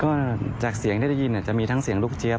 ก็จากเสียงที่ได้ยินจะมีทั้งเสียงลูกเจี๊ย